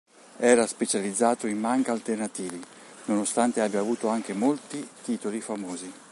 Era specializzato in manga alternativi, nonostante abbia avuto anche molti titoli famosi.